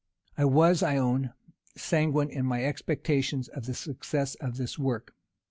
I was, I own, sanguine in my expectations of the success of this work.